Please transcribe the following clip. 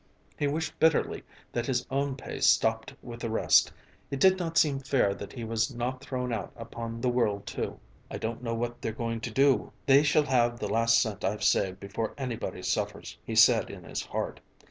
He wished bitterly that his own pay stopped with the rest; it did not seem fair that he was not thrown out upon the world too. "I don't know what they're going to do. They shall have the last cent I've saved before anybody suffers," he said in his heart.